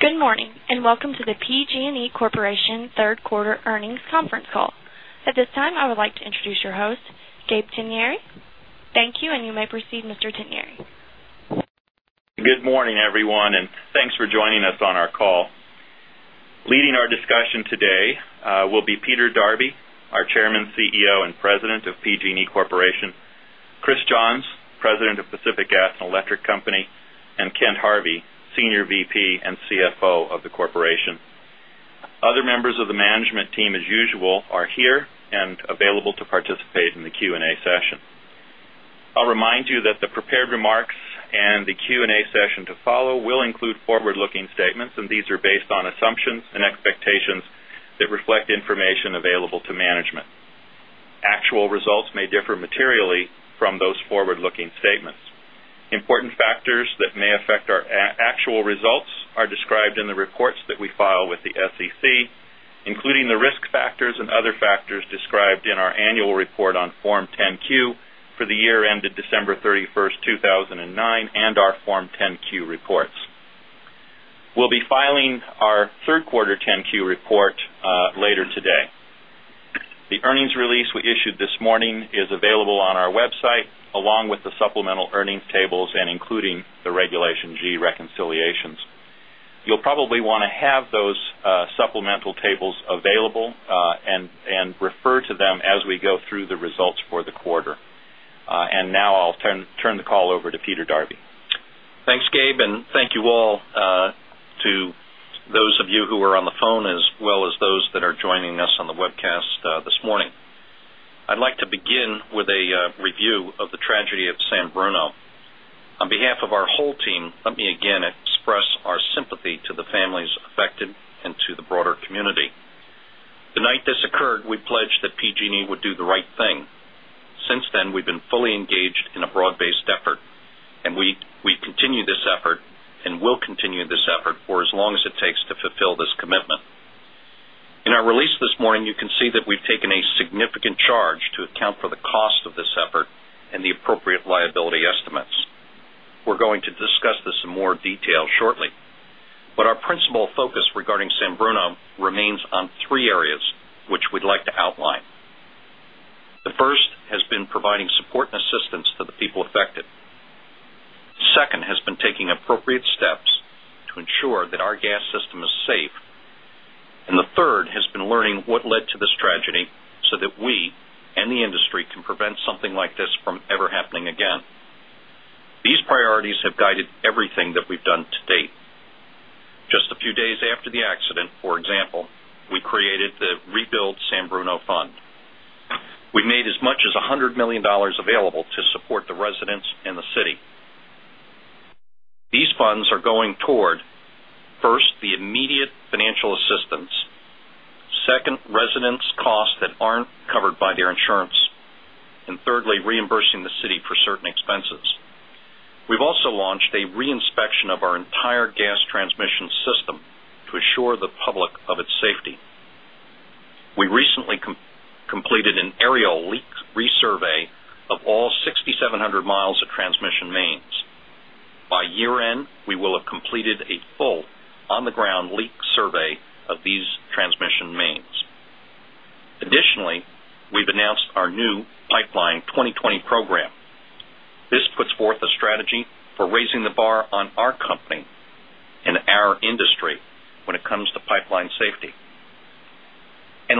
Good morning, and welcome to the PG and E Corporation Third Quarter Earnings Conference Call. At this time, I would like to introduce your host, Gabe Tenieri. Thank you, and you may proceed, Mr. Tenieri. Good morning, everyone, and thanks for joining us on our call. Leading our Gas and Electric Company and Kent Harvey, Senior VP and CFO of the Corporation. Of you that the prepared remarks and the Q and A session to follow will include forward looking statements and these are based on assumptions and expectations that reflect information available to management. Actual results may differ materially from those forward looking statements. Important factors that may affect our actual results are described in the reports that we file with the SEC, including the risk factors and other factors described in our annual report on Form 10 Q for the year ended December 31, 2000 and 9 and our Form 10 Q reports. We'll be filing our Q3 10 Q report later today. The earnings release we we issued this morning is available on our website along with the supplemental earnings tables and including the Regulation G reconciliations. You'll probably want to have those supplemental tables available and refer to them as we go through the results for the quarter. And now I'll turn the call over to Peter Darby. Thanks, Gabe, and thank you all to those of you who are on the phone as well as those that joining us on the webcast this morning. I'd like to begin with a review of the tragedy of San Bruno. On behalf of our whole team, let me again express our sympathy to the families affected and to the broader community. The night this occurred, we pledged that PG and E would do the right thing. Takes to it takes to fulfill this commitment. In our release this morning, you can see that we've taken a significant charge to account for the cost of this effort and the appropriate liability estimates. We're going to discuss this in more detail shortly. But our principal focus regarding San Bruno remains on 3 areas, which we'd like to outline. The first has been providing support and assistance to the people affected. 2nd has been taking appropriate steps to ensure that our gas system is safe. And the 3rd has been learning what led to this tragedy so that we and the industry can prevent something like this from ever happening again. Priorities have guided everything that we've done to date. Just a few days after the accident, for example, we created the Rebuild San Bruno Fund. We've made as much as $100,000,000 available to support the residents and the city. These funds are going toward: 1st, the immediate financial assistance second, residents' costs that aren't covered by their transmission system to assure the public of its safety. We recently completed an aerial leak resurvey of all 6,700 miles of transmission mains. By year end, we will have completed a full on the ground leak survey of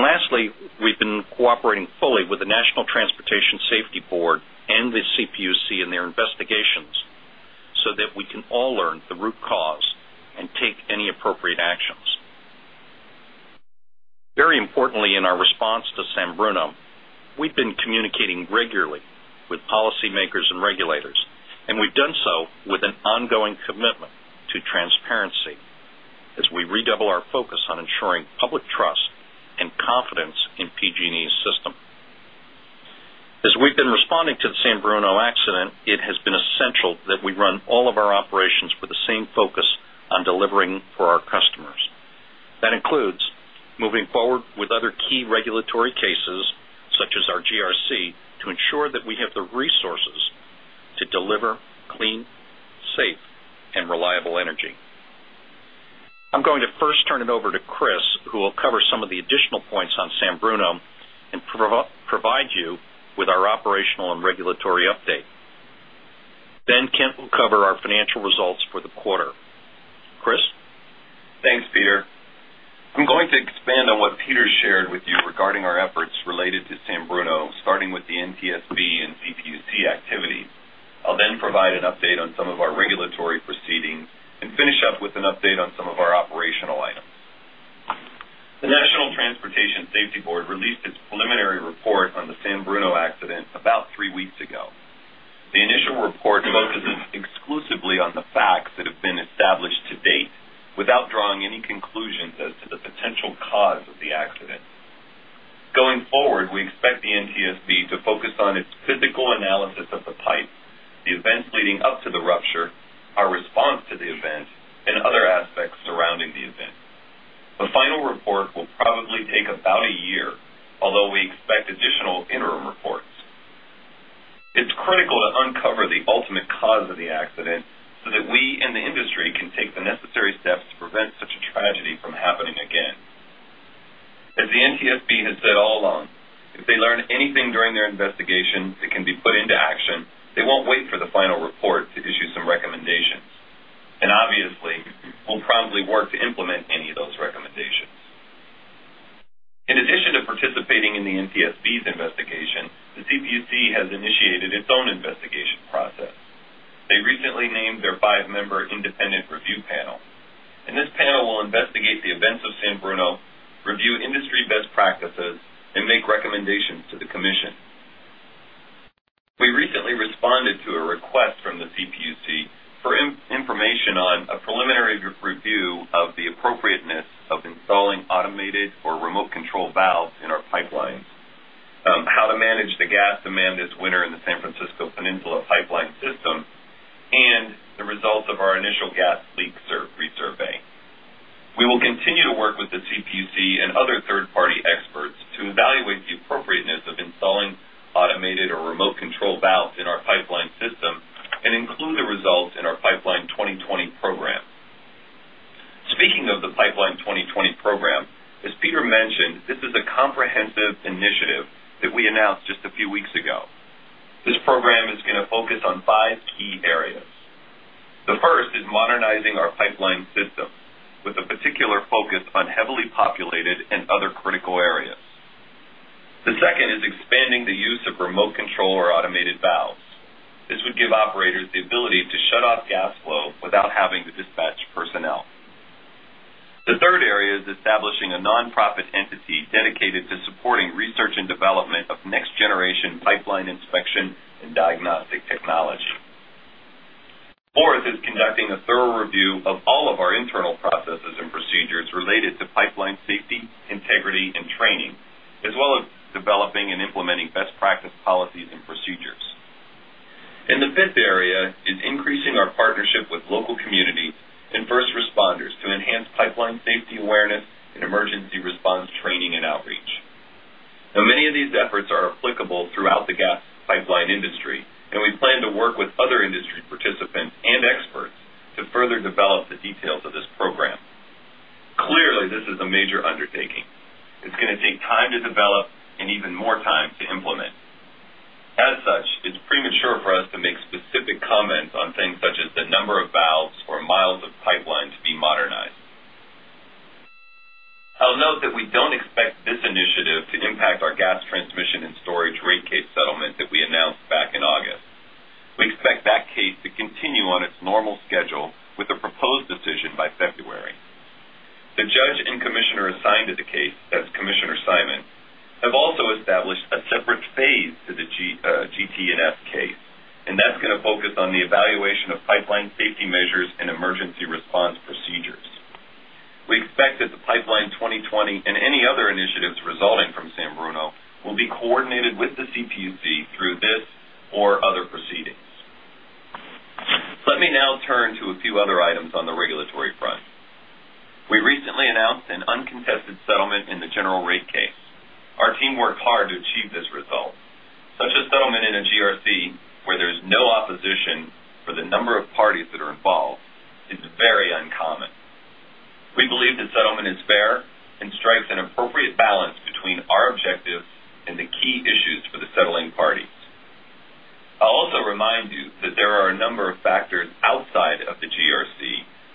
lastly, we've been cooperating fully with the National Transportation Safety Board and the CPUC in their investigations, so that we can all learn the root cause and take any appropriate actions. Very importantly, in our response to San Bruno, we've been communicating regularly with policymakers and regulators, and we've done so with an ongoing commitment to transparency as we redouble our focus on ensuring public trust and confidence in PG and E's system. As we've been responding to the San Bruno accident, it has been essential that we run all of our operations moving forward with other key regulatory cases such as our GRC to ensure that we have the resources to deliver clean, safe and reliable energy. I'm going to first turn it over to Chris, who will cover some of the Kent will cover our financial results for the quarter. Chris? Thanks, Peter. I'm going to expand on what Peter shared with regarding our efforts related to San Bruno starting with the NTSB and CPUC activity. I'll then provide an update on some of our regulatory proceedings and finish up with an update on some of our operational items. The National Transportation Safety Board released its preliminary report on the San Bruno accident about 3 weeks ago. The initial report expect the NTSB to focus expect the NTSB to focus on its physical analysis of the pipe, the events leading up to the rupture, our response to the event and other aspects surrounding the event. The final report will probably take about a year, although we expect additional interim reports. It's critical to uncover the ultimate cause of the accident so that we and the industry can take into action, they won't wait for the final report to issue some recommendations. Into action, they won't wait for the final report to issue some recommendations. And obviously, we'll probably work to implement any of those recommendations. In addition to participating in the NTSB's investigation, the CPUC has investigate the events of San Bruno, review industry best practices and make recommendations to a request from the CPUC for information on a preliminary review of the appropriateness of installing automated or or and the results of our initial gas leak resurvey. We will continue to work with the CPC and other third party experts to evaluate the appropriateness of installing automated or remote control valves in our pipeline system and include the results in our Pipeline 2020 program. Speaking of the Pipeline 2020 program, as Peter mentioned, this is a comprehensive initiative that we announced just a few weeks ago. This program is going to focus on 5 key areas. The first is modernizing our pipeline system with a particular focus on heavily populated and other critical areas. The second is expanding the use of remote control or automated valves. This would give operators the dedicated to supporting research and development of next generation pipeline inspection and diagnostic technology. 4th is conducting a thorough review of all of our internal processes and procedures related to pipeline safety, integrity and training as well as developing and implementing best practice policies and procedures. And the 5th area is increasing our partnership with local communities and first responders to enhance pipeline safety awareness and emergency response training and outreach. Now many of these efforts are applicable throughout the gas pipeline industry and we plan to work with other industry participants and experts to further develop the details of this program. Clearly, this is a major undertaking. It's going to take time to develop and even more time to implement. As such, it's premature for us to make specific comments on things such as the number of valves or miles of pipeline to be modernized. I'll note that we don't expect this initiative to impact our gas transmission and storage rate case settlement that we announced back in August. We that case to continue on its normal schedule with the proposed decision by February. The judge and commissioner assigned to the case, that's Commissioner Simon have also established a separate phase to the GT and F case and that's going to focus on the evaluation of pipeline safety measures response procedures. We expect that the pipeline 2020 and any other initiatives resulting from San Bruno will be coordinated with the CPUC through this or a few other items on the regulatory front. We recently announced an uncontested settlement in the general rate case. Our team worked hard to achieve this result. Such a settlement in a GRC where there is no opposition for the number of parties that are involved is very uncommon. The settlement is fair and strikes an appropriate balance between our objectives and the key issues for the settling parties. I'll also remind you that there are a number of factors outside of the GRC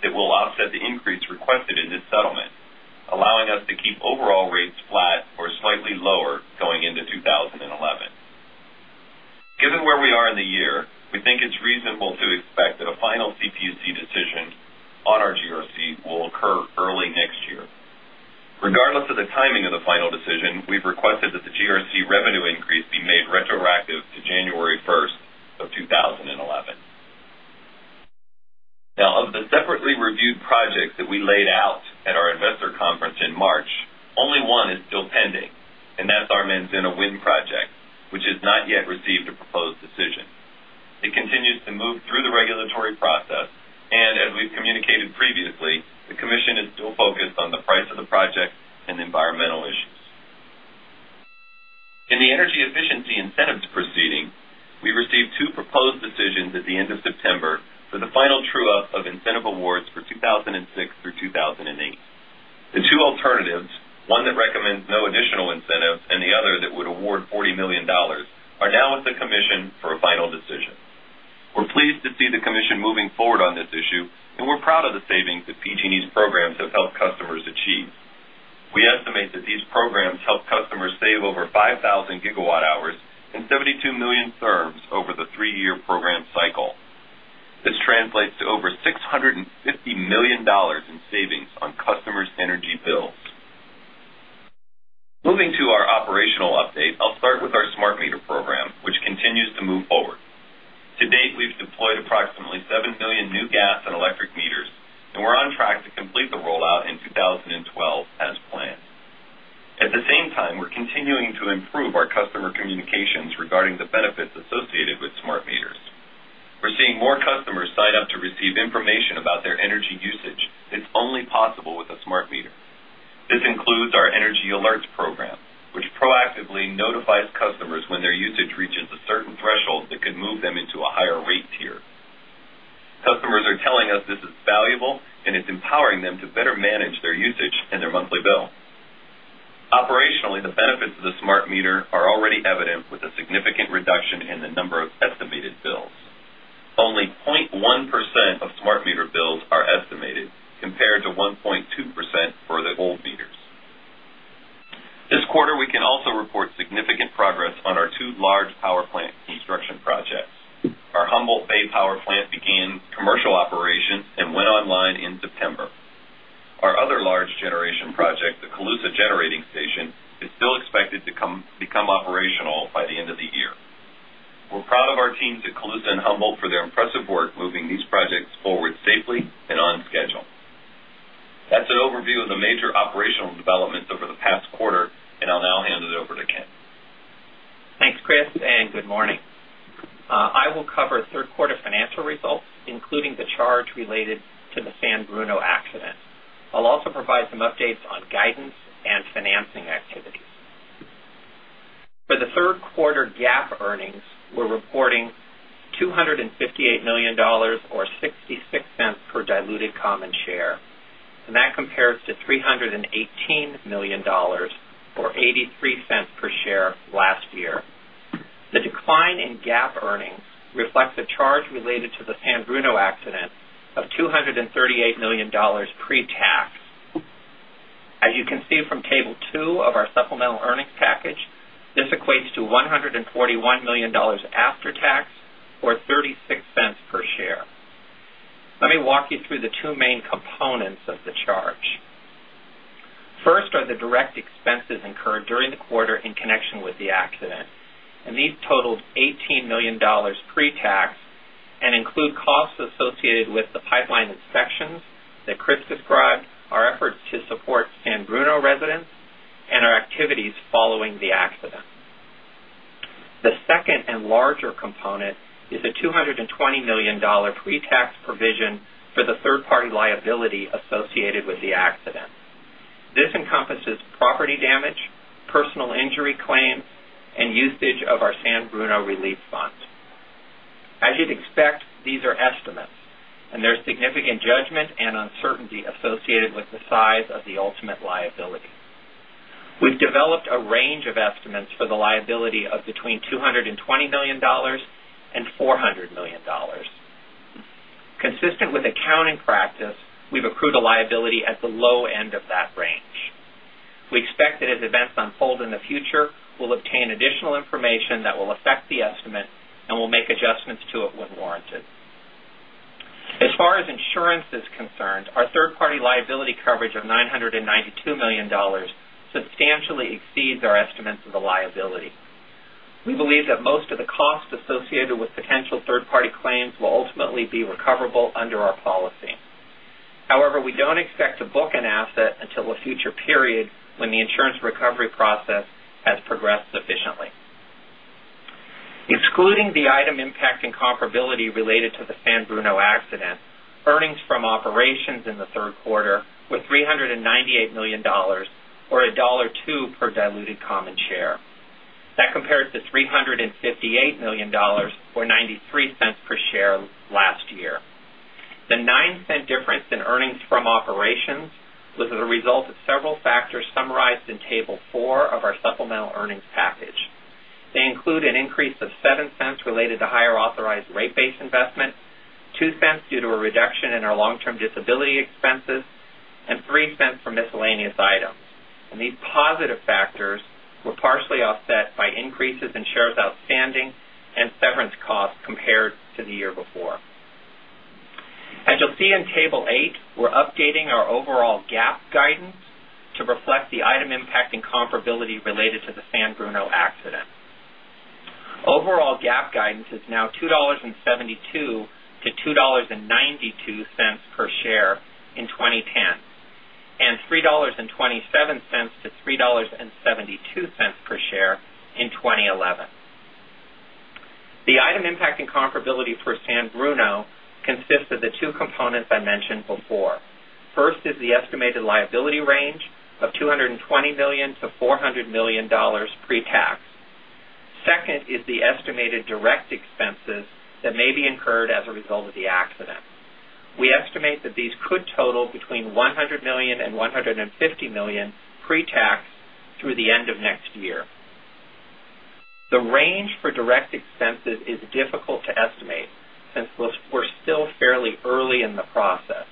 that will offset the increase requested in this settlement, allowing us to keep overall rates flat or slightly lower going into 2011. Given where we are in the year, it's reasonable to expect that a final CPUC decision on our GRC will occur early next year. Regardless of the timing of the final decision, we've requested that the GRC revenue increase be made retroactive to January 1, 2011. Now of the separately reviewed projects we laid out at our Investor Conference in March, only one is still pending and that's our has not yet received a proposed decision. It continues to move through the regulatory process. And as we've communicated previously, the commission is still focused on the price of the project and the environmental issues. In the energy efficiency incentives proceeding, we received 2 proposed decisions at the end of September for the final true up of incentive awards for 2006 through 2,008. The 2 alternatives, one that recommends no additional incentives and the other that would award $40,000,000 are now with the commission for a final decision. We're pleased to see the commission moving forward on this issue and we're proud of the savings that PG and E's programs have helped customers achieve. We estimate that these programs help customers save over 5,000 gigawatt hours 72,000,000 terms over the 3 year program cycle. This translates to over 650 $1,000,000 in savings on customers' energy bills. Moving to our operational update. I'll start with our smart meter program, which continues to move forward. To date, we've deployed approximately 7,000,000 new gas and electric meters and we're on track to complete the rollout in 2012 as planned. At the same time, we're continuing to improve our customer communications regarding the benefits associated with smart meters. We're seeing more customers sign up to receive information about their energy usage. It's only possible with a smart meter. This includes our energy alerts program, which proactively notifies customers when their usage reaches a certain threshold that could move them into a higher rate tier. Customers are telling us this is valuable and it's empowering them to better manage their usage and their monthly bill. Operationally, the benefits of the smart meter are already evident with a significant reduction in the number of estimated bills. Only 0.1% of smart meter bills are estimated compared to 1.2% for old meters. This quarter, we can also report significant progress on our 2 large power plant construction projects. Our Humboldt Bay power plant began commercial operations and went online in September. Our other large generation project, the Calusa Generating Station is still expected to become operational by the end of the year. We're proud of our teams at Calusa and Humboldt for their impressive work moving these projects forward safely and on schedule. That's an overview of the major operational developments over the past quarter and I'll now hand it over to Ken. Thanks, Chris and good morning. I will cover For the Q3 GAAP earnings, we're reporting $258,000,000 or 0 point $0.83 per share last year. The decline in GAAP earnings reflects a charge related to the San Bruno accident of 2 $38,000,000 pretax. As you can see from Table 2 of our supplemental earnings package, this equates to $141,000,000 after tax or $0.36 per share. Let me walk you through the 2 main components of the charge. First are the direct expenses incurred during the quarter in connection with the accident and these totaled 18,000,000 dollars pretax and include costs associated with the pipeline inspections that Chris described, our efforts to support Bruno residents and our activities following the accident. The second and larger component is $220,000,000 pretax provision for the 3rd party liability associated with the accident. This encompasses property damage, personal injury claims and usage of our San Bruno relief fund. As you'd expect, these are estimates and there's significant judgment and uncertainty associated with the size of the ultimate liability. We've developed a range of estimates for the liability of between 2 $20,000,000 $400,000,000 Consistent with accounting practice, we've accrued a liability at the low end of that range. We expect that as events unfold in the future, we'll obtain additional information that will affect the estimate and we'll adjustments to it when warranted. As far as insurance is concerned, our 3rd party liability coverage of $992,000,000 substantially exceeds our estimates of the liability. We believe that most of the costs associated with potential third party claims will ultimately be recoverable under our policy. However, we don't expect to book an asset until a future period when the insurance recovery process has progressed efficiently. Excluding the item impact and comparability related to the San Bruno accident, earnings from operations in the $1,000,000 or $0.93 per share last year. The $0.09 difference in earnings from operations was the result of several factors summarized in Table 4 of our supplemental earnings package. They include an increase of $0.07 related to higher authorized rate $7 related to higher authorized rate base investment, dollars 0.02 due to a reduction in our long term disability expenses and 0 point 0 $3 for miscellaneous items. And these positive factors in Table 8, we're updating our overall GAAP guidance to reflect the item impacting comparability related to the San Bruno accident. Overall GAAP guidance is now $2.72 to $2.92 per share in 20 10 and $3.27 to 3.72 $20,000,000 to $20,000,000 to $400,000,000 pretax. 2nd is the estimated direct expenses that may be incurred as a result of the accident. We estimate that these could total between $100,000,000 $150,000,000 pretax through the end of next year. The range for direct expenses is difficult to estimate since we're still fairly early in the process.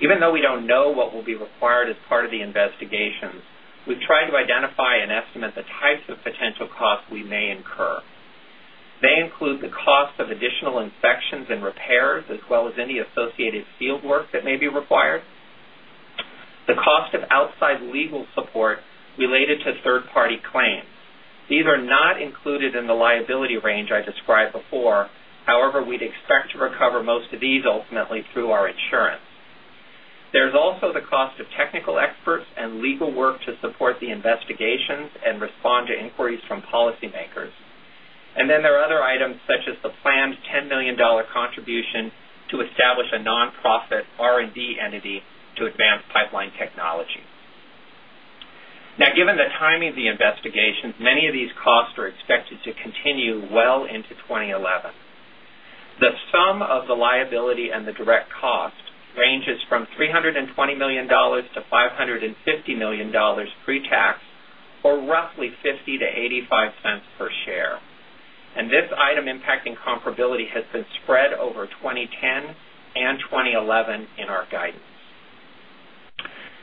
Even though we don't know what will be required as part of the investigations, we've tried to identify and estimate the types of potential costs we may incur. They include the cost of additional inspections and repairs as well as any associated field work that may be required the cost of outside legal support related to third party claims. These are not included in the liability range I described before. However, we'd expect to recover most of these ultimately through our insurance. There is also the cost of technical experts and legal work to support the investigations and respond to inquiries from policymakers. And then there are other items such as the planned $10,000,000 contribution to establish a non profit R and D entity to advance pipeline technology. Now given the timing of the investigations, many of these costs are expected to continue well into 2011. The sum of the liability and the direct cost ranges from $320,000,000 to $550,000,000 pre tax or roughly $0.50 to $0.85 per share. And this item impacting comparability has been spread over 20 10 2011 in our guidance.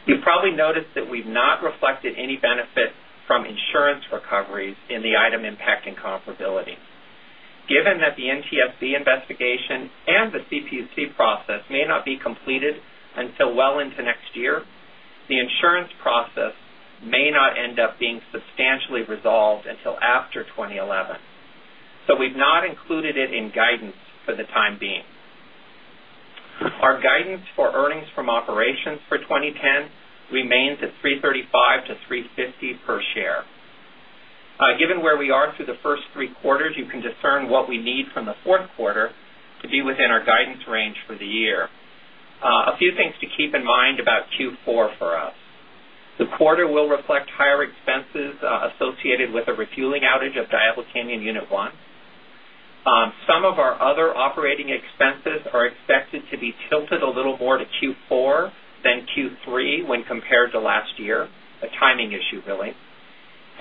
You probably noticed that we've not reflected any benefit insurance recoveries in the item impacting comparability. Given that the NTSB investigation and the CPUC process may not be not 2011. So we've not included it in guidance for the time being. Our guidance for earnings from operations for 20.10 remains at $3.35 to $3.50 per share. Given where we are through the 1st 3 quarters, you can discern what we need from the 4th quarter to be within our guidance range for the year. A few things to keep in mind about Q4 for us. The quarter will reflect higher expenses more to Q4 than Q3 when compared to last year, a timing issue really.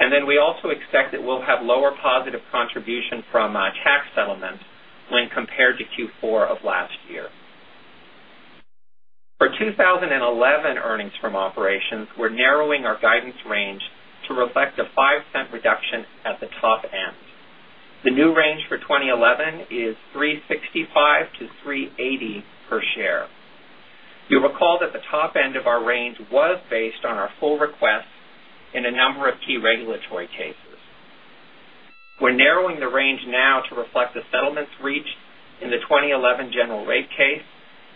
And then we also expect that we'll have lower positive contribution from tax settlement when compared to Q4 of last year. For 20 11 20 based on our full request in a number of key regulatory cases. We're narrowing the range now to reflect the settlements reached in the 2011 general rate case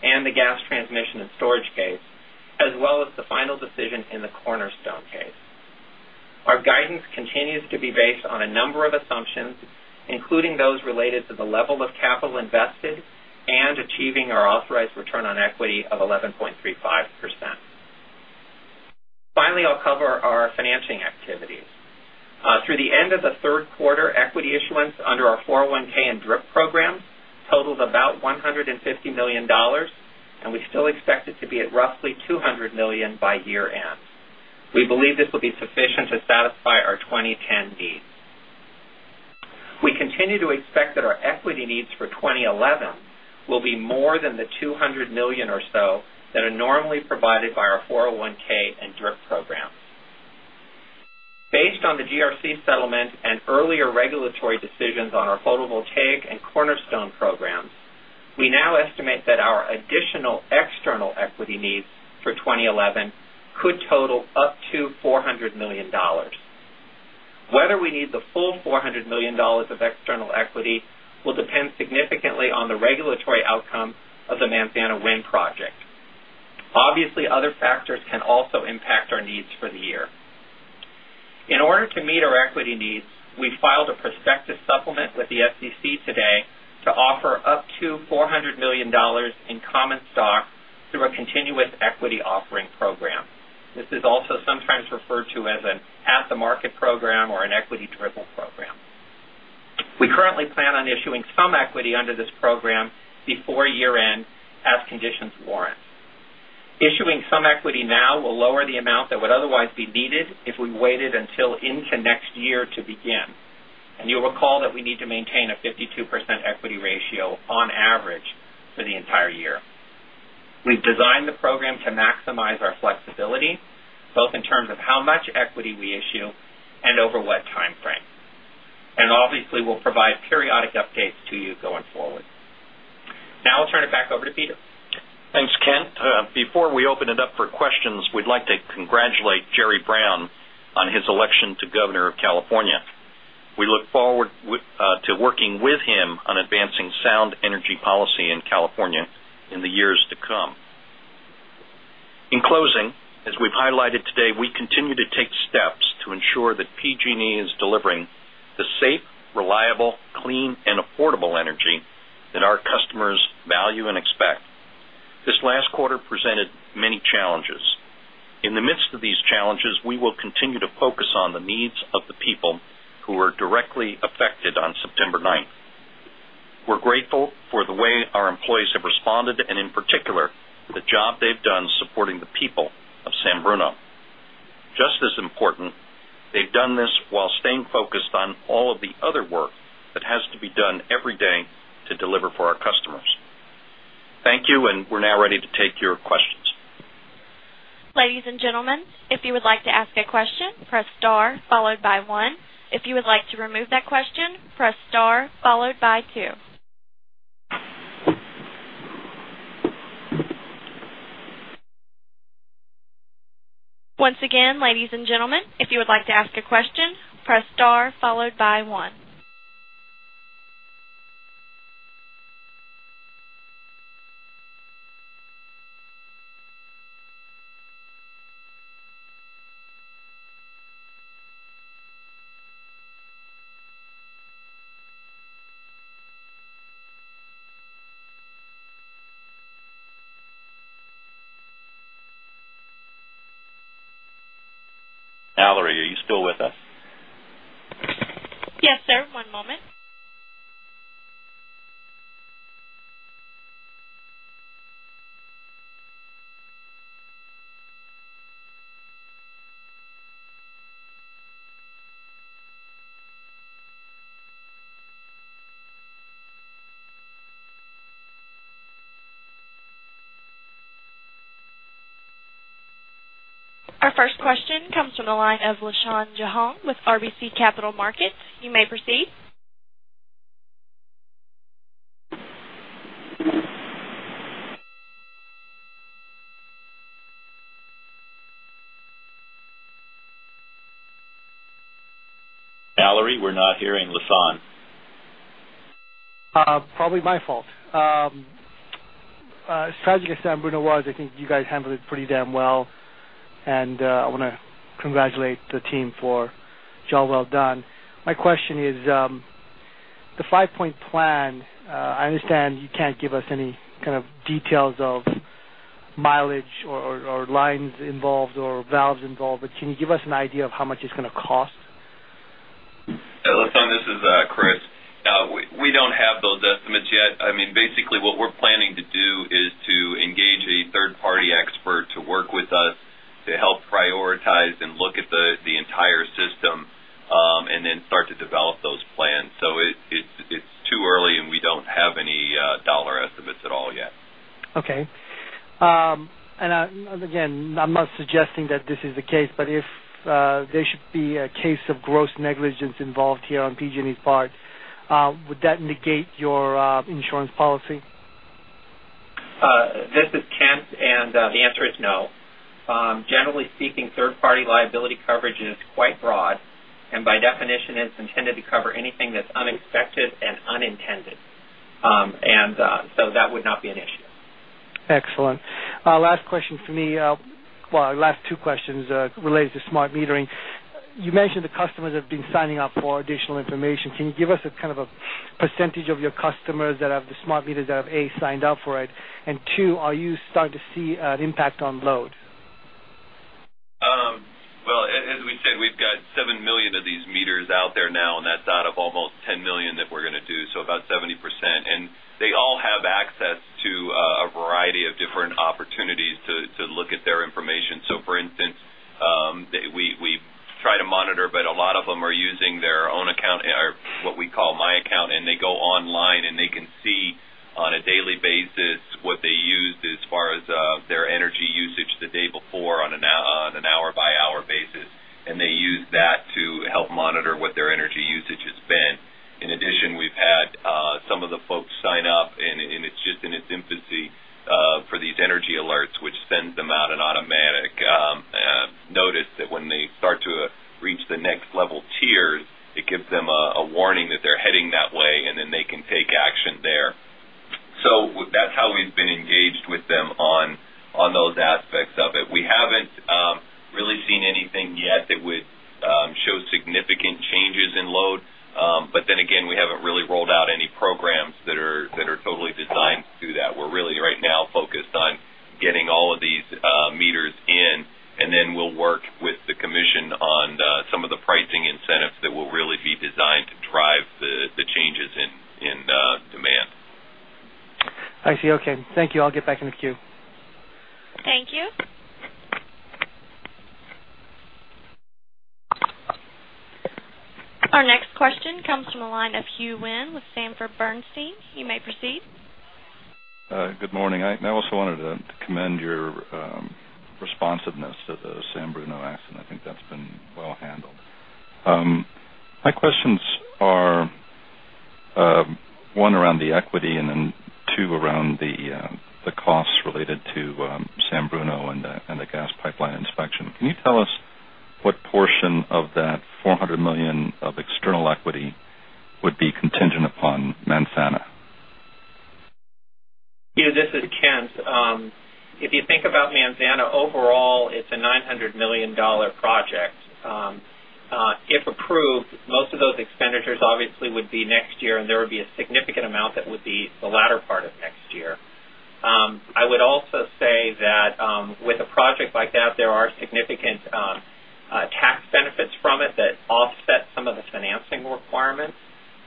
and the gas transmission and storage case as well as the final decision in the cornerstone case. Our guidance continues to be based on a number of assumptions, including those related to the level of capital invested and achieving our authorized return on equity of 11.35%. Finally, I'll cover our financing activities. Through the end of the Q3, equity issuance under our 401 and DRIP programs totaled about 150 $1,000,000 and we still expect it to be at roughly $200,000,000 by year end. We believe this will be sufficient to satisfy our 20 10 needs. We continue to expect that our equity needs for 20 11 will be more than the $200,000,000 or so that are normally provided by our 401 and DIRTT programs. Based on the GRC settlement and earlier regulatory decisions on our photovoltaic and cornerstone programs, we now estimate that our additional external equity needs for 20.11 could 11 could total up to $400,000,000 Whether we need the full $400,000,000 of external equity will depend In at the market program or an equity driven program. We currently plan on issuing some equity under this program before year end as conditions warrant. Issuing some equity now will lower the amount that would otherwise be needed if we waited until into next year to begin. And you'll recall that we need to maintain a 52% equity ratio on average for the entire year. And obviously, we'll provide periodic updates to you going forward. Now I'll turn it back over to Peter. Thanks, Kent. Before we open it up for questions, we'd like to congratulate Jerry Brown on his election to Governor of California. We look forward to working with him on advancing sound energy policy in California in the years to come. In closing, as we've highlighted today, we continue to take steps to ensure that PG and E is delivering the safe, reliable, clean and affordable energy that our customers value and expect. This last quarter presented many challenges. In the midst of these challenges, we will continue to focus on the needs of the people who were directly affected on September 9. We're grateful for the way our employees have responded and in particular, the job they've done supporting the people of San Bruno. Just as important, they've done this while staying focused on all of the other work that has to be done every day to deliver for our customers. Thank you. And we're now ready to take your Mallory, are you still with us? Yes, sir. One moment. Our first question comes from the line of Lishan Johan with RBC Capital Markets. You may proceed. Mallory, we're not hearing Lassonde. Probably my fault. As tragic as San Bruno was, I think you guys handled it pretty damn well. And I want to congratulate the team for job well done. My question is, the 5 point plan, I understand you can't give us any kind of details of mileage or lines involved or valves involved, but can you give us an idea of how much it's going to cost? Listen, this is Chris. We don't have those estimates yet. I mean, basically what we're planning to do is to engage a 3rd party expert to work with us to help prioritize and look at the entire system and then start to develop those plans. So it's too early and we don't have any dollar estimates at all yet. Okay. And again, I'm not suggesting that this is the case, but if there should be a case of gross negligence involved here on PG and E's part, would that negate your insurance policy? This is Kent and the answer is no. Generally speaking, 3rd party liability coverage is quite broad and by definition is intended to cover anything that's unexpected and unintended. And so that would not be an issue. Excellent. Last question for me. Well, last two questions related to smart metering. You mentioned the customers have been signing up for additional information. Can you give us a kind of a percentage of your customers that have the smart meters that have A signed up for it? And 2, are you starting to see an impact on load? Okay. Thank you. I'll get back in the queue. From the line of Hu Wen with Sanford Bernstein. You may proceed. Good morning. I also wanted to commend your responsiveness to the San Bruno accident. I think that's been well handled. My questions are 1 around the equity and then 2 around the costs related to San Bruno and the gas pipeline inspection. Can you tell us what portion of that $400,000,000 of external equity would be contingent upon Manzana? Peter, this is Kent. If you think about Manzana overall, it's a 900 dollars 1,000,000 project. If approved, most of those expenditures obviously would be next year and there would be a significant amount that would be the latter part of next year. I would also say that with a project like that there are significant tax benefits from it that offset some of the financing requirements.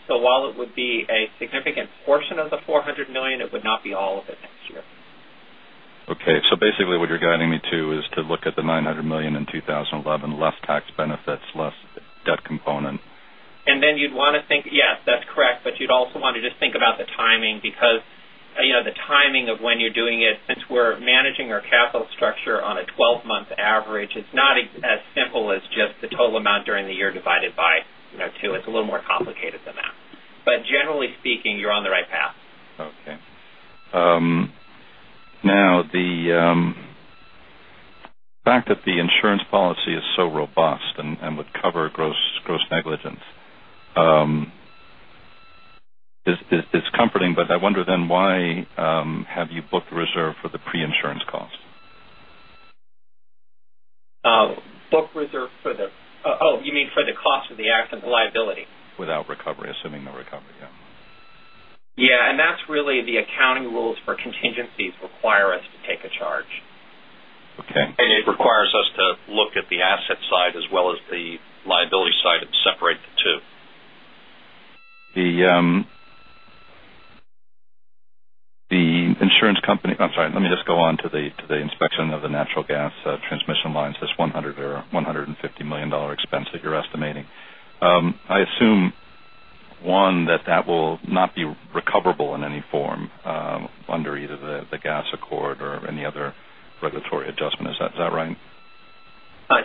So while it would be a significant portion of the $400,000,000 it would not be all of it next year. Okay. So basically what you're guiding me to is to look at the $900,000,000 in 20 11 less tax benefits, less debt component? And then you'd want to think yes, that's correct. But you'd also want to just think about the timing because the timing of when you're doing it since we're managing our capital structure on a 12 month average, it's not as simple as just the total amount during the year divided by 2. It's a little more complicated than that. But generally speaking, you're on the right path. Okay. Now the fact that the insurance policy is comforting. But I wonder then why have you booked the reserve for the pre insurance costs? Book reserve for the oh, you mean for the cost of the accident liability? Without recovery assuming the recovery, yes. Yes. And that's really the accounting rules for contingencies require us to take a charge. Okay. And it requires us to look at the asset side as well as the liability side and separate the 2. The insurance company I'm sorry, let me just go on to the inspection of the natural gas transmission lines, this $100,000,000 or $150,000,000 expense you're estimating. I assume one that that will not be recoverable in any form under either the gas accord or any other regulatory adjustment. Is that right?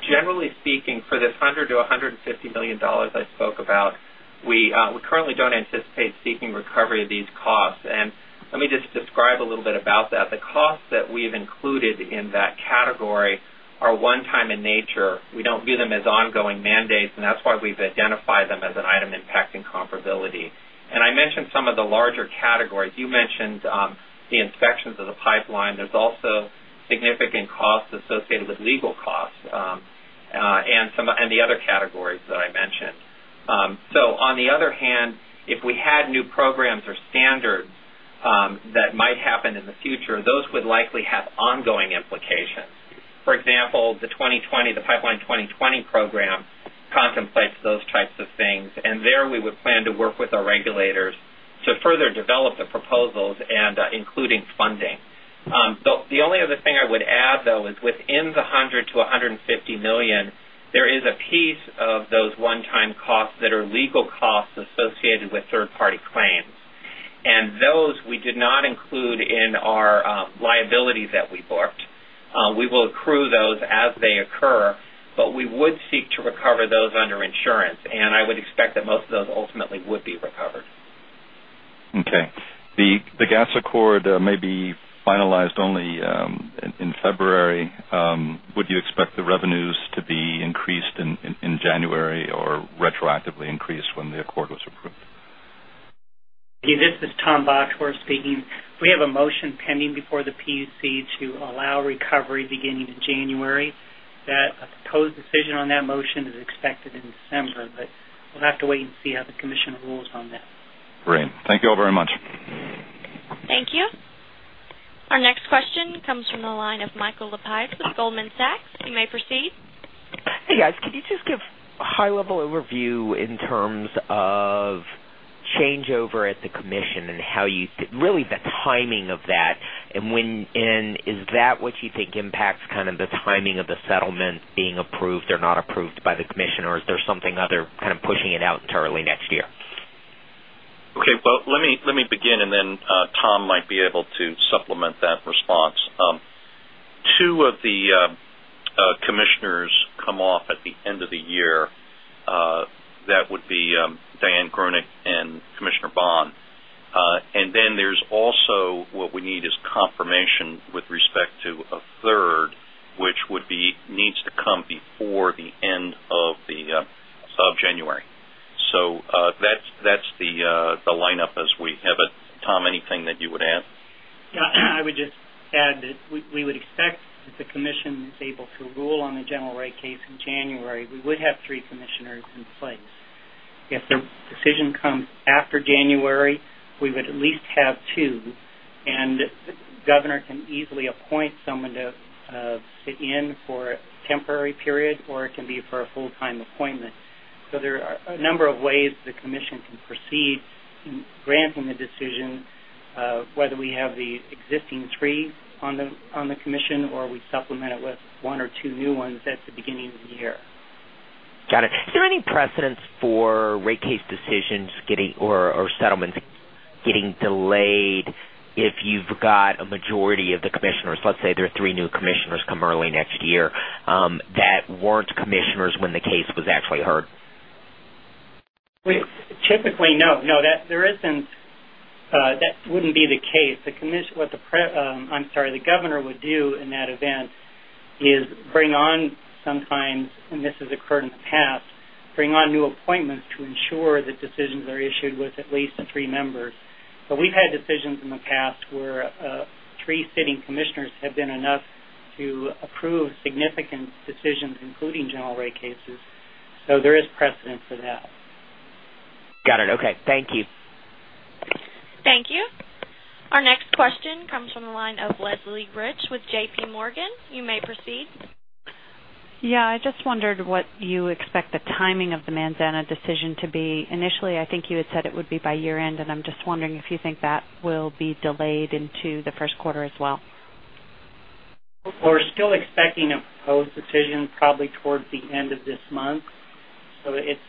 Generally speaking for this $100,000,000 to $150,000,000 I spoke about, we currently don't anticipate seeking recovery of these costs. And let me just describe a little bit about that. The costs that we've included in that category are one time in nature. We don't view them as ongoing mandates and that's why we've identified them as an item impacting comparability. And I mentioned some of the larger categories. You mentioned the inspections of the pipeline. There's also significant costs associated with legal costs and the other categories that I mentioned. So on the other hand, if we had new programs or standards that might happen in the future, those would likely have ongoing implications. For example, the 2020 the Pipeline 2020 program contemplates those types of things. And there we would plan to work with our regulators to further develop the proposals and including funding. The only other thing I would add though is within the $100,000,000 to $150,000,000 there is a piece of those one time costs that are legal costs associated with 3rd party claims. And those we did not include in our liabilities that we booked. We will accrue those as they occur, but we would seek to recover those under insurance. And I would expect that most of those ultimately would be recovered. Okay. The gas accord may be finalized only in February. Would you expect the revenues to be increased in January or retroactively increased when the accord was approved? This is Tom Bockworth speaking. We have a motion pending before the PUC to allow recovery beginning in January. That proposed decision on that motion is expected in December, but we'll have to wait and see how the commission rules on that. Great. Thank you all very much. Thank Our next question comes from the line of Michael Lapides with Goldman Sachs. You may proceed. Hey, guys. Could you just give high level overview in terms of changeover at the commission and how you really the timing of that? And when and is that what you think impacts kind of the timing of the settlement being approved or not approved by the commission? Or is there something other kind of pushing it out entirely next year? Okay. Well, let me begin and then Tom might be able to supplement that response. 2 of the commissioners off at the end of the year. That would be Diane Grunich and Commissioner Bohn. And then there's also what we need is confirmation with respect to a third, which would be needs to come before the end of January. So that's the lineup as we have it. Tom anything that you would add? Yes. I would just add that we would expect that the commission is able to rule on the general rate case in January, we would have 3 commissioners in place. If the decision comes after January, we would at least have 2. And the governor can easily appoint someone to sit in for a temporary period or it can be for a full time appointment. So there are a number of ways the commission can proceed in granting the decision, whether we have the existing 3 on the commission or we supplement it with 1 or 2 new ones at the beginning of the commissioners, let's delayed if you've got a majority of the commissioners, let's say there are 3 new commissioners come early next year weren't commissioners when the case was actually heard? Typically, no. No, there isn't that wouldn't be the case. The commission what the I'm sorry, the governor would do in that event is bring on sometimes and this has occurred in the past, bring on new appointments to ensure that decisions are issued with at least 3 members. But we've had decisions in the past where 3 sitting that. Got it. Okay. Thank you. Thank you. Our next question comes from the line of Leslie Reich with JPMorgan. You may proceed. Yeah. I just wondered what you expect the timing of the Manzana decision to be initially. I think you had said it would be by year end. And I'm just wondering if you think that will be delayed into the Q1 as well? We're still expecting a proposed decision probably towards the end of this month. So it's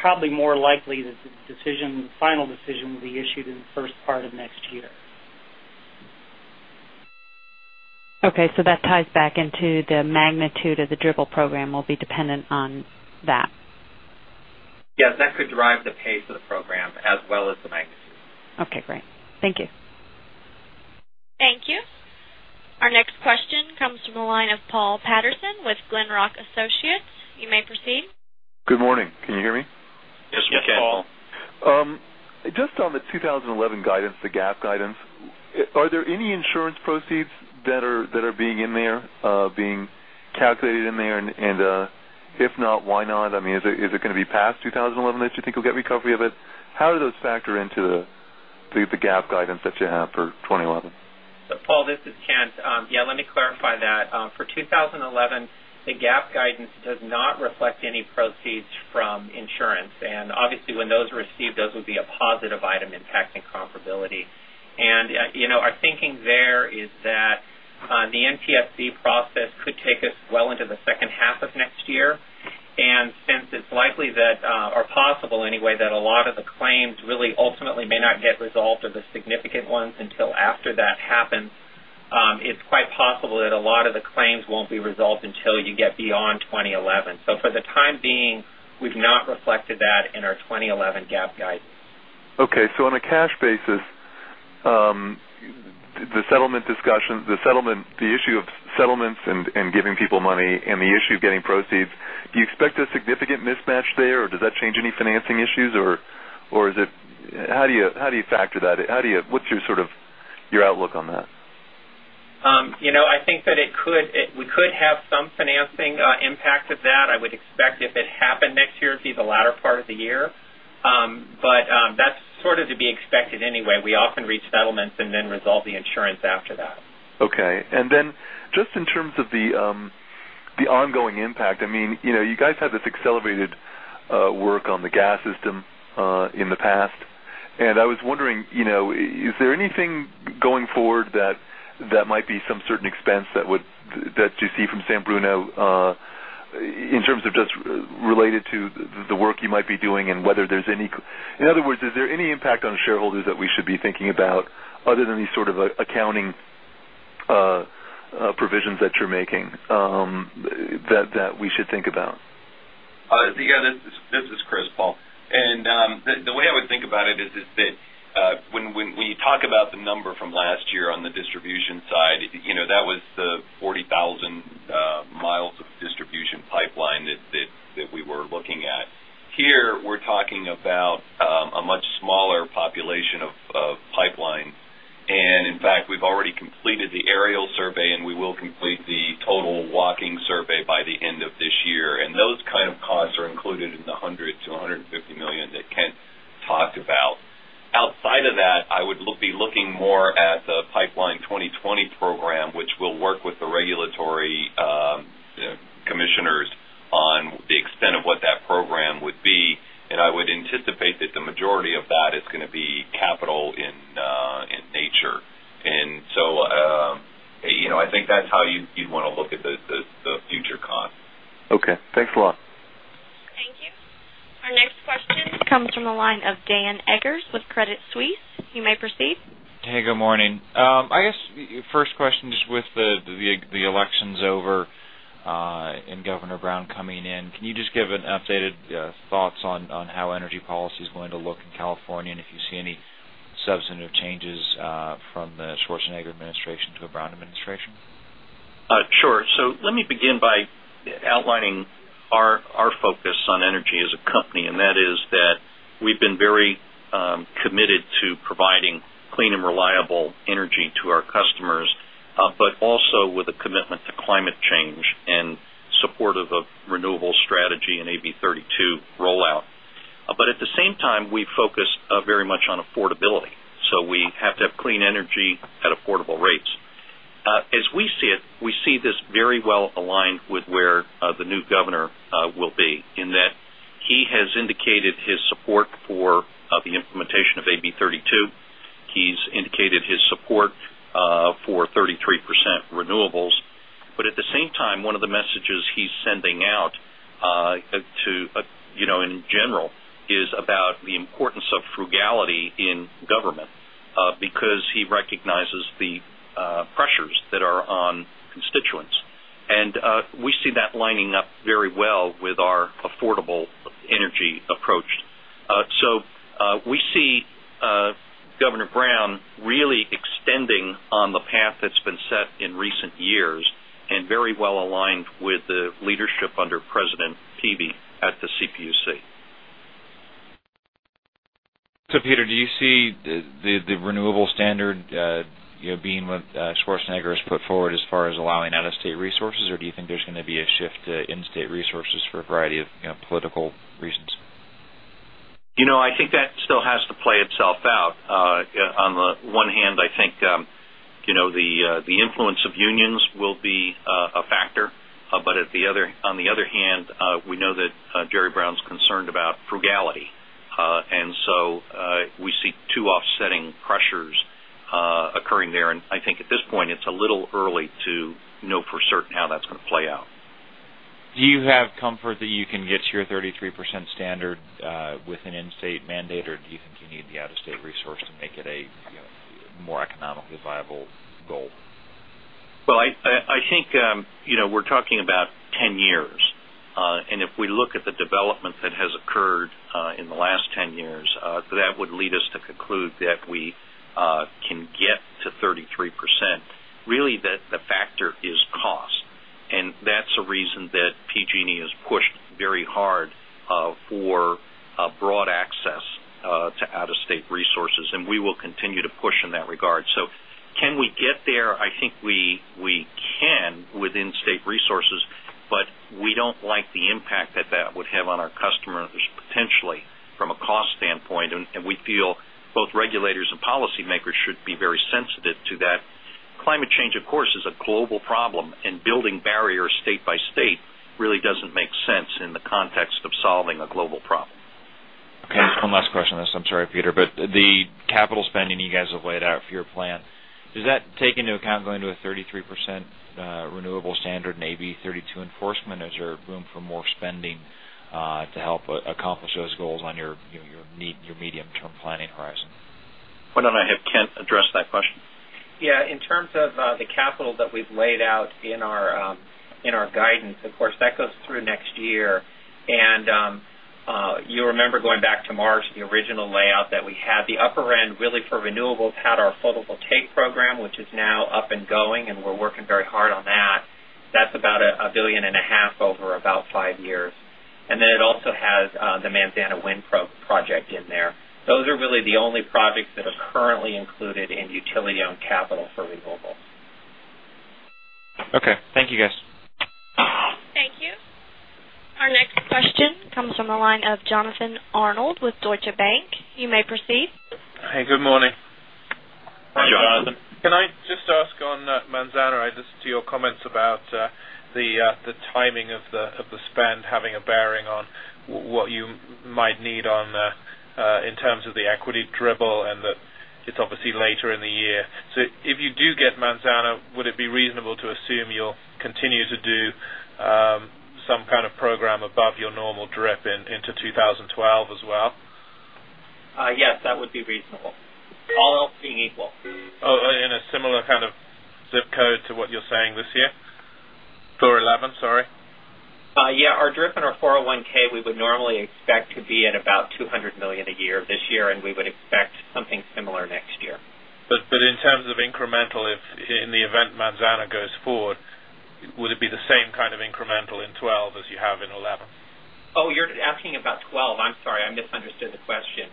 probably more likely that the decision final decision will be issued in the 1st part of next year. Okay. So that ties back into the magnitude of the Dribble program will be dependent on that? Yes. That could drive the pace of the program as well as the magnitude. Okay, great. Thank you. Thank you. Our question comes from the line of Paul Patterson with Glenrock Associates. You may proceed. Good morning. Can you hear me? Yes, we can. Paul. Just on the 2011 guidance, the GAAP guidance, are there any insurance proceeds that are being in there, being calculated in there? And if not, why not? I mean, is it going to be 2011 that you think will get recovery of it? How do those factor into the GAAP guidance that you have for thinking there is that the NTSC process could take us well into the second half of next year. And since it's likely that or possible a way that a lot of the claims really ultimately may not get resolved or the significant ones until after that happens, it's possible that a lot of the claims won't be resolved until you get beyond 2011. So for the time being, we've not reflected that in our 2011 GAAP guidance. Okay. So on a cash basis, the settlement discussions the settlement the issue of settlements and giving people money and the issue of getting proceeds, do you expect a significant mismatch there? Or does that change any financing issues? Or is it how do you factor that? How do you what's your outlook on that? I think that it could we could have some financing impact of that. I would expect if it happen next year, it would be the latter part of the year. But that's sort of to be expected anyway. We often reach settlements and then resolve the insurance after that. Okay. And then just in terms of the ongoing impact, I mean, you guys have this accelerated work on the gas system in the past. And I was wondering, is there anything going forward that might be some certain expense that would that you see from San Bruno in terms of just related to the work you might be doing and whether there's any in other words, is any impact on shareholders that we should be thinking about other than these sort of accounting provisions that you're making that we should think about? Yes. This is Chris, Paul. And the way I would think about it is that when you talk about the number from last year on the distribution side, that was the 40,000 miles of distribution pipeline that we were looking at. Here, we're talking about a much smaller population of pipeline. And in fact, we've already completed the aerial survey and we will complete the total walking survey by the end of this year. And those kind of costs are included in the $100,000,000 to $150,000,000 that Kent talked about. Outside of that, I would be looking more at the Pipeline 2020 program, which will work with the regulatory commissioners on the extent of what that program would be. And I would anticipate that the majority of that is going to be capital in nature. And so I think that's how you'd want to look at the future costs. Okay. Thanks a lot. Thank you. Our next question comes from the line of Dan Eggers with Credit Suisse. You may proceed. Hey, good morning. I guess, first question just with the elections over and Governor Brown coming in. Can you just give an updated thoughts on how energy policy is going to look in California and if you see any substantive changes from the Schwarzenegger administration to the Brown administration? Sure. So let me begin by outlining our focus on energy as a company and that is that we've been very committed to providing clean and reliable energy to our customers, but also with a commitment to climate change and supportive of renewable strategy and AB32 rollout. But at the same time, we focus very much on affordability. So we have to clean energy at affordable rates. As we see it, we see this very well aligned with where the new governor will be in that he has indicated his support for the implementation of AB32. He's indicated his support for 33% renewables. But at the same time, one of the messages he's sending out to in general is about the importance of frugality in government, because he recognizes the pressures that are So we see Governor Brown really extending on the path that's been set in recent years and very well aligned with the leadership under President Peavey at the CPUC. So Peter, do you see the renewable standard being what Schwarzenegger has put forward as far as allowing out of state resources? Or do you think there's going to be a shift to in state resources for a variety of political reasons? I think that still has to play itself out. On the one hand, I think the influence of unions will be a factor. But at the other on the other hand, we know that Jerry Brown is concerned about frugality. And so we see 2 offsetting pressures occurring there. And I think at this point, it's a little early to know for certain how that's going to play out. Do you have comfort that you can get to your 33% standard with an in state mandate? Or do you think you need the out of state with an in state mandate? Or do you think you need the out of state resource to make it a more economically viable goal? Well, I think we're talking about 10 years. And if we look at the development that has occurred in the last 10 years, that would lead us to conclude that we can get to 33%. Really the factor is cost. And that's the reason that PG and E has pushed very hard for broad access to out of state resources and we will continue to push in that regard. So can we get there? I think we can within state resources, but we don't like the impact that that would have on our customers potentially from a cost state by state really doesn't make sense in the context of solving a global problem. Okay. Just one last question on this. I'm sorry, Peter. But the capital spending you guys have laid out for your plan, does that take into account going to a 33% renewable standard maybe 32% enforcement? Is there room for more spending to help accomplish those goals on your medium term planning horizon? Why don't I have Kent address that question? Yes. In terms of the capital that we've laid out in our guidance, of course, that goes through next year. And you remember going back to March, the the original layout that we had the upper end really for renewables had our photovoltaic program which is now up and going and we're working very hard on that. That's about 1,500,000,000 dollars over about 5 years. And then it also has the Montana Wind project in there. Those are really the only question comes from the line of Jonathan Arnold with Deutsche Bank. You may proceed. Hi, good morning. Can I just ask on Manzana? I just to your comments about the timing of the spend having a bearing on what you might need on in terms of the equity dribble and it's obviously later in the year. So if you do get Manzana, would it be Yes. That would be reasonable, all else being equal. And Yes, that would be reasonable, all else being equal. In a similar kind of zip code to what you're saying this year 411, sorry? Yeah. Our DRIP and our 401 we would normally expect to be at about $200,000,000 a year this year and we would expect something similar next year. But in terms of incremental if in the event Manzanar goes forward, would it be the same kind of incremental in 2012 as you have in 2011? You're asking about 12. I'm sorry. I misunderstood the question.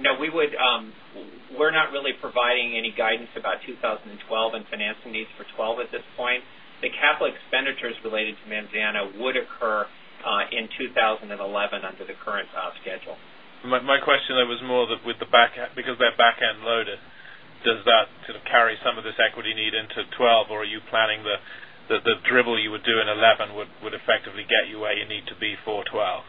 No, we would we're not really providing any guidance about 2012 and financing needs for 12 at this point. The Manzana would occur in 2011 under the current schedule. My question was more that with the back end because they're back end loaded. Does that sort of carry some of this equity need into 2012? Or are you planning the dribble you would do in 2011 would effectively get you where you need to be for 12?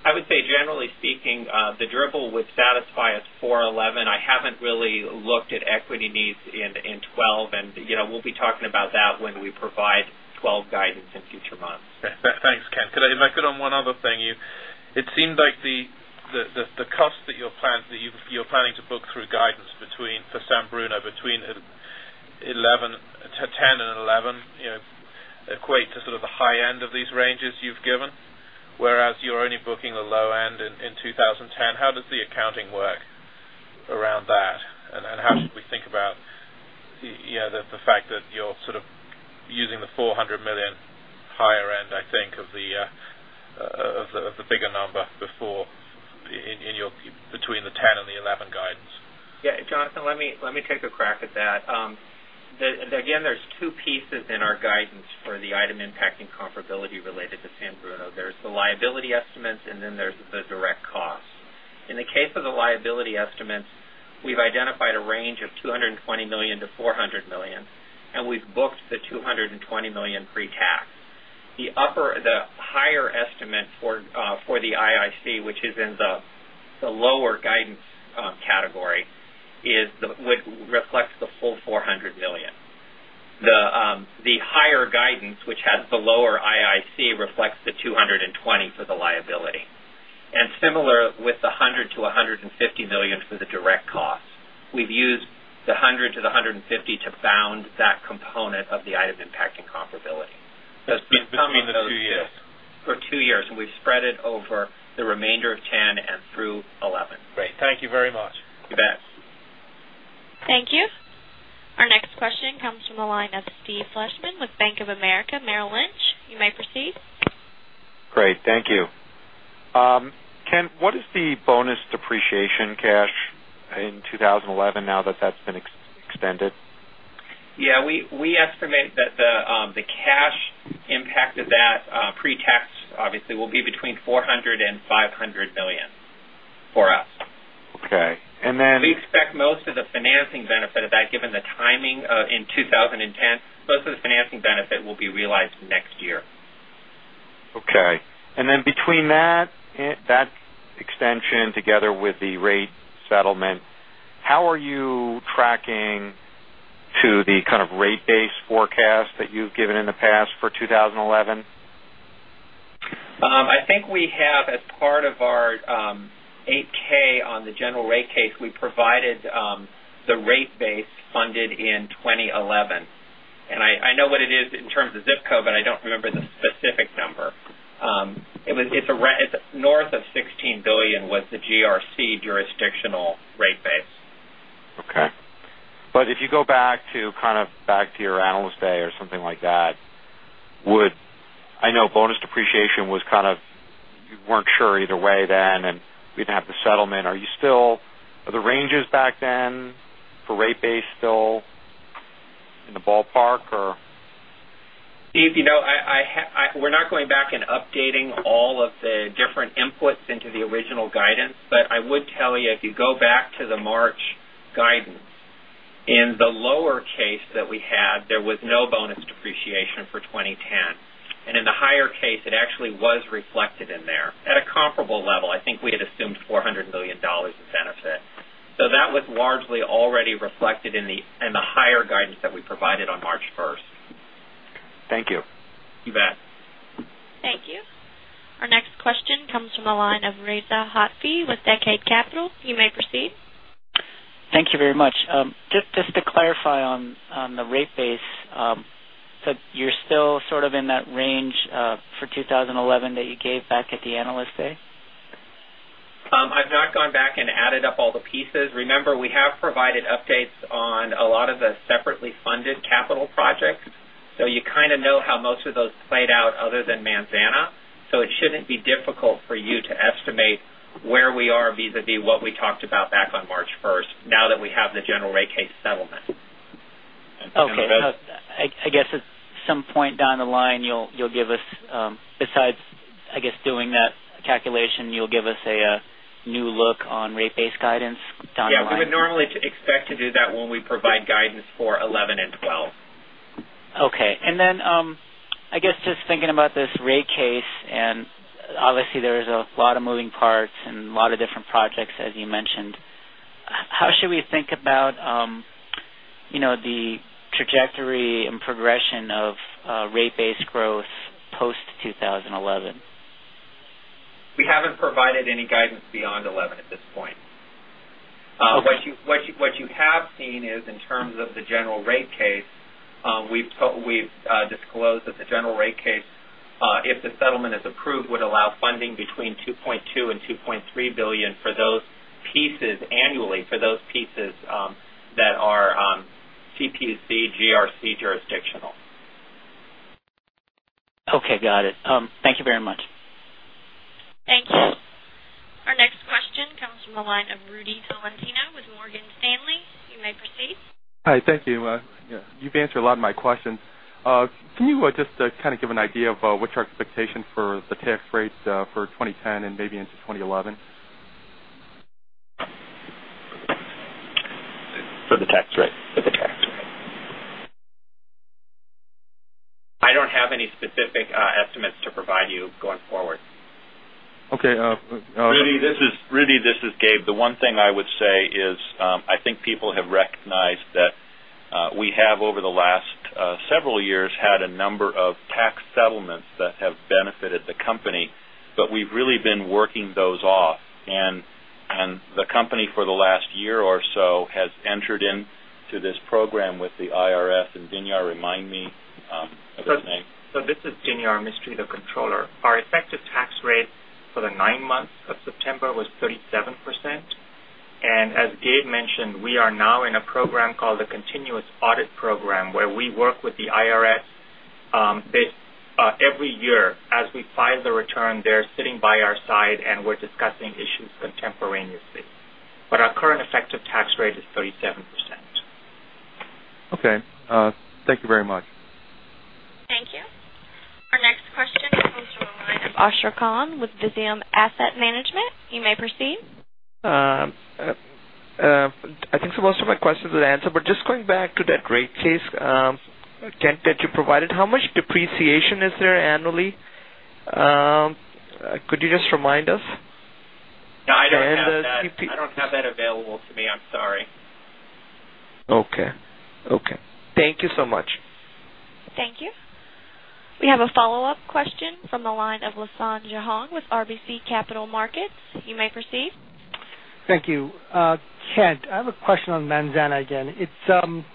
I would say generally speaking the dribble would satisfy us for 11. I haven't really looked at equity needs in 2012 and we'll be talking about that when we provide 12 guidance in future months. Thanks, Ken. Could I if I could on one other thing, it seems like the cost that you're planning to book through guidance between for San Bruno between 11 1011 equate to sort of the high end of these ranges you've given, whereas you're only booking the low end in 2010. How does the accounting work around that? And how should we think about the fact that you're sort of using the $400,000,000 higher end, I think, of the bigger number before in your between the $10,000,000 and the $11,000,000 guidance. Yes. Jonathan, let me take a crack at that. Again, there's 2 pieces in our guidance for the item impacting comparability related to San Bruno. There's the liability estimates and then there's the direct cost. In the case of the liability estimates, we've identified a range of $220,000,000 to $400,000,000 and we've booked the 2 $20,000,000 pretax. The upper the higher estimate for the IIC, which is in the lower guidance category is reflects the full $400,000,000 The higher guidance, which has the lower IIC reflects the 2 $20,000,000 for the liability. And similar with the $100,000,000 to $150,000,000 for the direct costs, we've used the to the $150,000,000 to bound that component of the items impacting comparability. It's between the 2 years. For 2 years and we've spread it over Thank you. Our next question comes from the line of Steve Fleishman with Bank of America Merrill Lynch. You may proceed. Great. Thank you. Ken, what is the bonus depreciation cash in 2011 now that that's been extended? Yes. We estimate that the cash impact of that pretax obviously will be between $400,000,000 $500,000,000 for us. Okay. And then We expect most of the financing benefit of that given the timing in 2010, most of the financing benefit will be realized next year. Okay. And then between that extension together with the rate settlement, how you tracking to the kind of rate base forecast that you've given in the past for 2011? I think we have as part of our 8 ks on the general rate case, we provided the rate base funded in 2011. And I know what it is in terms of zip code, but I don't remember the specific number. It's north of $16,000,000,000 was the GRC jurisdictional rate base. Okay. But if you go back to kind of back to your Analyst Day or something like that, would I know bonus depreciation was kind of you weren't sure either way then and we didn't have the settlement. Are you still are the ranges back then for rate base still in the ballpark or? Steve, we're not going back and updating all of the different inputs into the original guidance. But I would tell you, if you go back to the March guidance, in the lower case that we had there was no bonus depreciation for 20.10. And in the higher case it actually was reflected in there. At a comparable level I think we had assumed $400,000,000 of benefit. So that was largely already reflected in the higher guidance that we provided on March 1. Thank you. You bet. Thank you. Our next question comes from the line of Reza Hatfi with Decade Capital. You may proceed. Thank you very much. Just to clarify on the rate base. So you're still in that range for 2011 that you gave back at the Analyst Day? I've not gone back and added up all the pieces. Okay. I guess at some point down the line you'll give us besides I guess doing that calculation you'll give us a 2011 and 2012. Okay. And then I guess just thinking about this rate case and obviously there is a lot of moving parts and lot of different projects as you mentioned. How should we think about the trajectory and progression of rate based growth post 2011? We haven't provided any guidance beyond 2011 at this point. What you have seen is in terms of the general rate case, we've disclosed that the general rate case, if the settlement is approved, would allow funding between $2,200,000,000 $2,300,000,000 for those pieces annually those pieces that are CPUC, GRC jurisdictional. Okay, got it. Thank you very much. Thank you. Our next question comes from the line of Rudy Valentino with Morgan Stanley. You may proceed. Hi, thank you. You've answered a lot of my questions. Can you just kind of give an idea of what's your expectation for the tax rate for 2010 and maybe into 2011? For the For the tax rate? I don't have any specific estimates to provide you going forward. Okay. Riddhi, this is Gabe. The one thing I would say is, I think people have recognized that we have over the last several years his name. So this is Dinyar Mistry, the Controller. Our effective tax rate for the 9 months of September was 37%. And as Gabe mentioned, we are now in a program called a continuous audit program, where we work with the IRS, every year as we file the return, they're sitting by our side and we're discussing issues contemporaneously. But our current effective tax rate is 37%. Okay. Thank you very much. Thank you. Our next question comes from the line of Ashraf Khan with case, Kent, that you provided, how much depreciation is there annually? Could you just remind us? No, I don't have that available to me. I'm sorry. Okay. Okay. Thank you so much. Thank you. We have a follow-up question from the line of Lisanne Jahang with RBC Capital Markets. You may proceed. Kent, I have a question on Manzana again. It's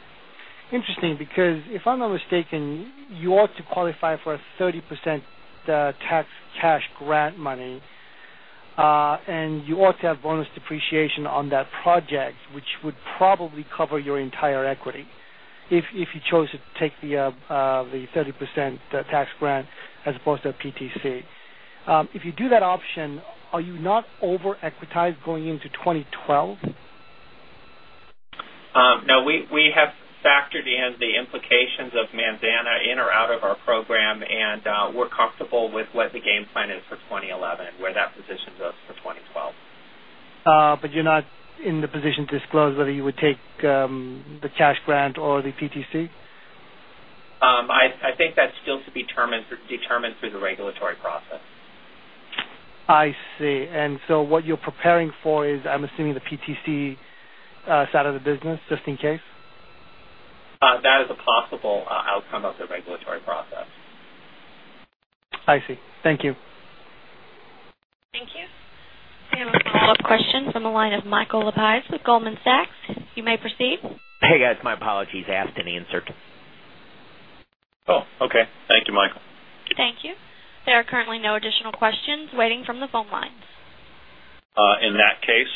interesting because if I'm not mistaken, you ought to qualify for 30% tax cash grant money, and you ought to have bonus depreciation on that project, which would probably cover your entire equity, if you chose to take the 30% tax grant as opposed to PTC. If you do that option, are you not over equitized going into 2012? No. We have factored in us for 2012. But you're not in the position to disclose whether you would take the cash grant or the PTC? I think that's still to be determined through the regulatory process. I see. And so what you're preparing for is, I'm assuming, the PTC side of the business, just in case? That is a regulatory process. I see. Thank you. Thank you. We have a follow-up question from the line of Michael Lapides with Goldman Sachs. You may proceed. Hey, guys. My apologies, I asked any uncertainty. Okay. Thank you, Michael. Thank you. There are currently no additional questions waiting from the phone lines. In that case,